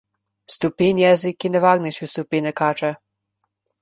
Strupen jezik je nevarnejši od strupene kače.